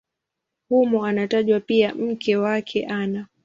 Humo anatajwa pia mke wake Ana.